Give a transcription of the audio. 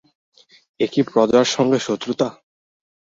এ কি প্রজার সঙ্গে শত্রুতা?